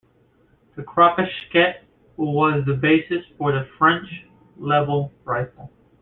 The Kropatschek was the basis for the French Lebel Rifle.